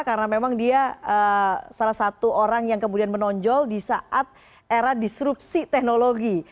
karena memang dia salah satu orang yang kemudian menonjol di saat era disrupsi teknologi